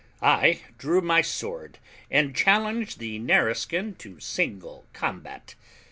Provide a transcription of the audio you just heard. I drew my sword, and challenged the Nareskin to single combat.